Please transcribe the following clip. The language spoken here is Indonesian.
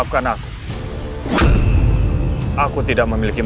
bukankah kamu sudah mengatakan